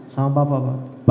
sama bapak pak